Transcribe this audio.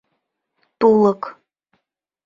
Тулык.